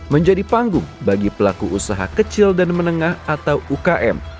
menjadi panggung bagi pelaku usaha kecil dan menengah atau ukm